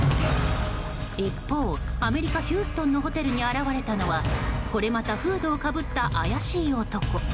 一方、アメリカ・ヒューストンのホテルに現れたのはこれまたフードをかぶった怪しい男。